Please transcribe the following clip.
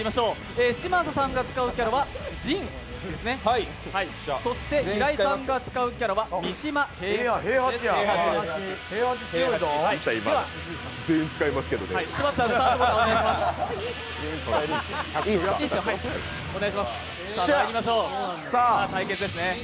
嶋佐さんが使うキャラはＪＩＮですね、そして平井さんが使うキャラは三島平八です。